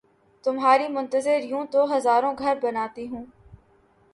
تمہاری منتظر یوں تو ہزاروں گھر بناتی ہوں